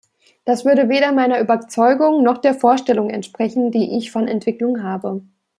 Das würde weder meiner Überzeugung, noch der Vorstellung entsprechen, die ich von Entwicklung habe.